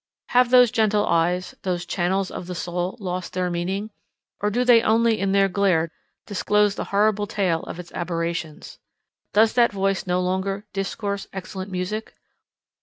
Have those gentle eyes, those "channels of the soul" lost their meaning, or do they only in their glare disclose the horrible tale of its aberrations? Does that voice no longer "discourse excellent music?"